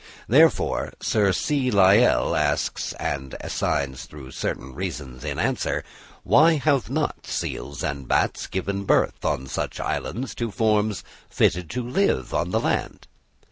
Therefore Sir C. Lyell asks, and assigns certain reasons in answer, why have not seals and bats given birth on such islands to forms fitted to live on the land?